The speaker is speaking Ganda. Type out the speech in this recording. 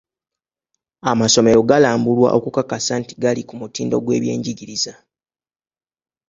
Amasomero galambulwa okukakasa nti gali ku mutindo gw'ebyenjigiriza.